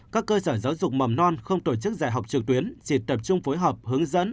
các cơ sở giáo dục mầm non không tổ chức dạy học trực tuyến chỉ tập trung phối hợp hướng dẫn